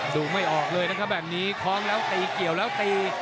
ดูไม่ออกเลยนะครับแบบนี้คล้องแล้วตีเกี่ยวแล้วตี